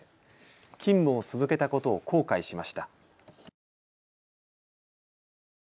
勤務を続けたことを後悔しました。